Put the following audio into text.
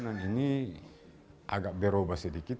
ini agak berubah sedikit